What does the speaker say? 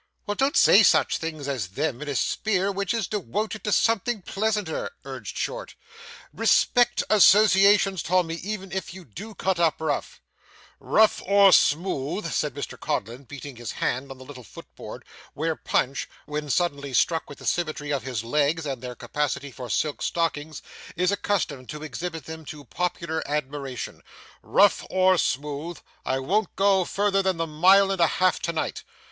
'Well, don't say such things as them, in a spear which is dewoted to something pleasanter,' urged Short. 'Respect associations, Tommy, even if you do cut up rough.' 'Rough or smooth,' said Mr Codlin, beating his hand on the little footboard where Punch, when suddenly struck with the symmetry of his legs and their capacity for silk stockings, is accustomed to exhibit them to popular admiration, 'rough or smooth, I won't go further than the mile and a half to night.